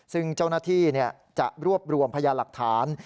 ซึ่งเจ้าหน้าที่จะรวบรวมพยานหลักฐาน